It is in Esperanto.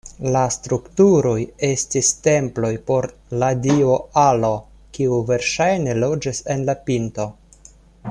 La strukturoj estis temploj por la dio Alo, kiu verŝajne loĝis en la pinto.